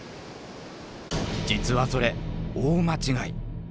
実はそれ大間違い！